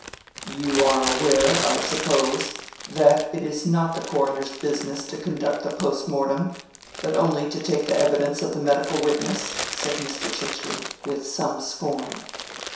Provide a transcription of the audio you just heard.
"You are aware, I suppose, that it is not the coroner's business to conduct the post mortem, but only to take the evidence of the medical witness?" said Mr. Chichely, with some scorn.